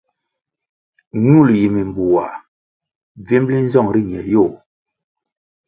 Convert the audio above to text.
Ñul yi mimbuwah bvimli nzong ri ñe yôh.